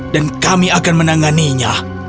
dan kami akan menanganinya